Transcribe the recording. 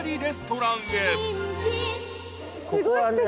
ここはね